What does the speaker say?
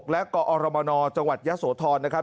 และกอรมนจังหวัดยะโสธรนะครับ